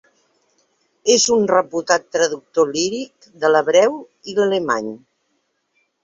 És un reputat traductor líric de l'hebreu i l'alemany.